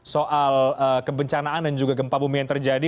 soal kebencanaan dan juga gempa bumi yang terjadi